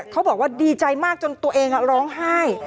เขาบอกว่าดีใจมากจนตัวเองร้องไห้